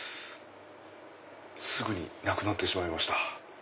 すぐになくなってしまいました。